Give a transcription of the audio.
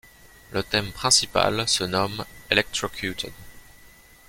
Le thème principal se nomme Electrocuted.